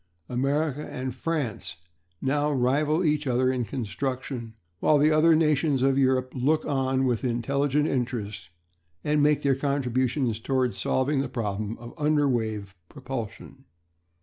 America and France now rival each other in construction, while the other nations of Europe look on with intelligent interest, and in turn make their contributions towards solving the problem of under wave propulsion.